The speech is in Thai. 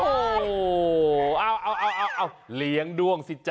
โอ้เอาเอาเอาเอาเอาเลี้ยงดวงสิจ๊ะจ้ะ